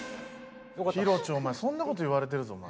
ヒロチョそんな事言われてるぞお前。